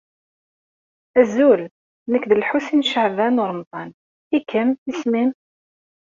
Azul. Nekk d Lḥusin n Caɛban u Ṛemḍan. I kemm isem-im?